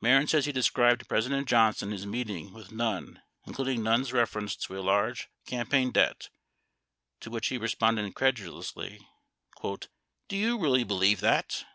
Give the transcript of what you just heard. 91 Mehren says he described to President Johnson his meeting with Nunn, including Nunn's reference to a large campaign debt, to which lie responded incredulously, "Do you really believe that?"